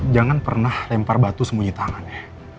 jangan pernah lempar batu sembunyi tangannya